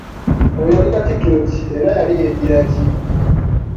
Oyo yali Katikkiro ki era yali yeddira ki?